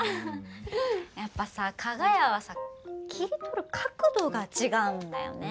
やっぱさかが屋はさ切り取る角度が違うんだよね。